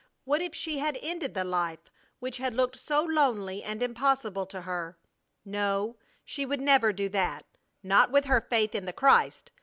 What if she had ended the life which had looked so lonely and impossible to her? No, she would never do that, not with her faith in the Christ!